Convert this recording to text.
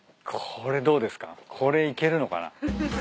これ行けるのかな？